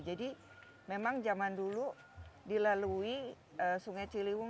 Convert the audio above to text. jadi memang zaman dulu dilalui sungai ciliwung